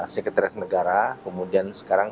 sekretaris negara kemudian sekarang